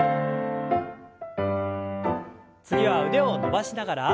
次は腕を伸ばしながら。